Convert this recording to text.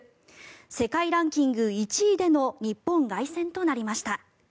世界ランキング１位での日本凱旋となりました。